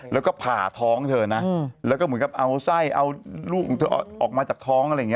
แล้วก็ผ่าท้องเธอนะแล้วก็เหมือนกับเอาไส้เอาลูกของเธอออกมาจากท้องอะไรอย่างนี้